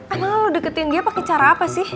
emang lo deketin dia pake cara apa sih